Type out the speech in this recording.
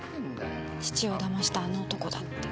父をだましたあの男だって。